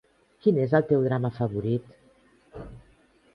Quin és el teu drama favorit?